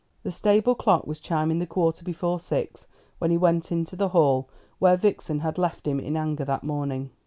The stable clock was chiming the quarter before six when he went into the hall, where Vixen had left him in anger that morning.